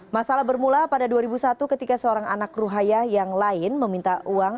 masalah bermula pada dua ribu satu ketika seorang anak ruhaya yang lain meminta uang